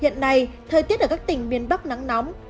hiện nay thời tiết ở các tỉnh miền bắc nắng nóng